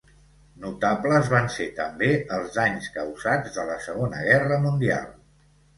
Notables van ser també els danys causats de la Segona Guerra Mundial.